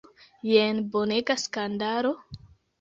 Jen bonega skandalo!